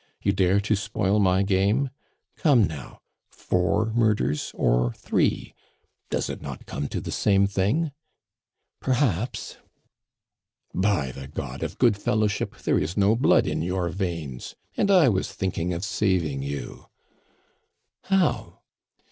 You dare to spoil my game? Come, now! Four murders or three. Does it not come to the same thing?" "Perhaps." "By the God of good fellowship, there is no blood in your veins! And I was thinking of saving you!" "How?"